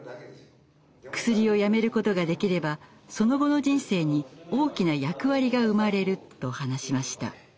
クスリをやめることができればその後の人生に大きな役割が生まれる」と話しました。